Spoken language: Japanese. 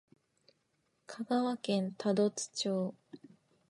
香川県多度津町